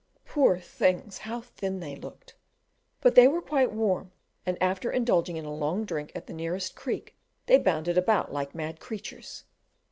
Poor things! how thin they looked, but they were quite warm; and after indulging in a long drink at the nearest creek, they bounded about, like mad creatures.